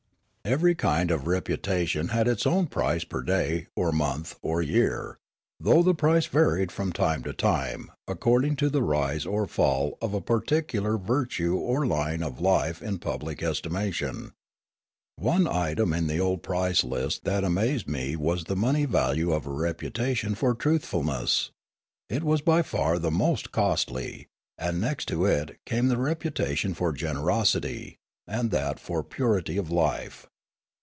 Every kind of reputation had its own price per day or month or year, though the price varied from time to time according to the rise or fall of a particular virtue or line of life in public estimation. One item in the old price list that amazed me was the money value of a reputation for truthfulness ; it was by far the most costly, and next to it came the reputation for generosity, and that for purity of life.